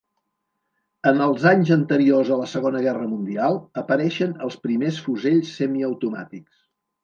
En els anys anteriors a la Segona Guerra Mundial apareixen els primers fusells semiautomàtics.